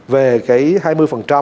về cái hai mươi